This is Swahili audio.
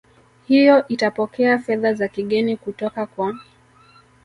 hiyo itapokea fedha za kigeni kutoka kwa